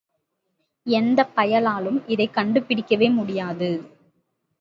எந்தப் பயலாலும் இதைக் கண்டுபிடிக்கவே முடியாது?